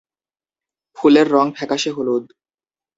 ফুলের রং ফ্যাকাসে হলুদ।